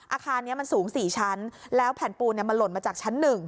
อาคารนี้มันสูง๔ชั้นแล้วแผ่นปูนมันหล่นมาจากชั้น๑